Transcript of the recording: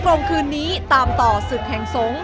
โมงคืนนี้ตามต่อศึกแห่งสงฆ